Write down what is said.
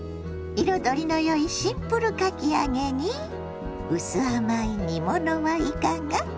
彩りのよいシンプルかき揚げにうす甘い煮物はいかが。